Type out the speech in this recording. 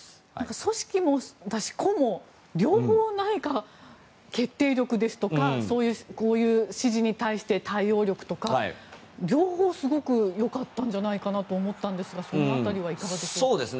組織も出し、個も両方、決定力ですとかこういう指示に対して対応力とか両方すごくよかったんじゃないかなと思ったんですがその辺りはいかがでしょうか。